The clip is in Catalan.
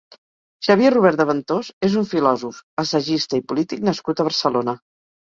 Xavier Rubert de Ventós és un filòsof, assagista i polític nascut a Barcelona.